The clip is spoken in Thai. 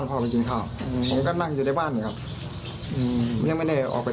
ผมไม่ได้เสียบหรอกพี่